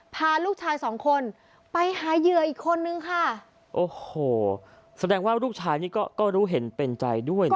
พาลูกชายสองคนไปหาเหยื่ออีกคนนึงค่ะโอ้โหแสดงว่าลูกชายนี่ก็ก็รู้เห็นเป็นใจด้วยนะ